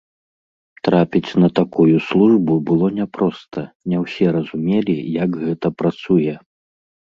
Трапіць на такую службу было няпроста, не ўсе разумелі, як гэта працуе.